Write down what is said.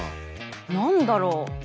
何だろう？